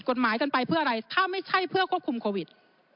กฎหมายกันไปเพื่ออะไรถ้าไม่ใช่เพื่อควบคุมโควิด